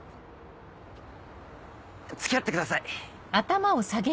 付き合ってください。